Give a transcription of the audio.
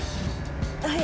はい。